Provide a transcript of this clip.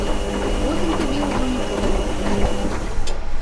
Потым табе ўжо нічога не будзе трэба.